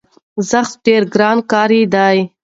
زښت ډېر ګران کار دی،